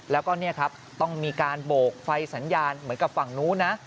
แล้วก็เนี่ยครับต้องมีการโบกไฟสัญญาณเหมือนกับฝั่งนู้นนะ